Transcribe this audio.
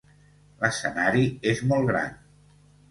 L'escenari és molt gran.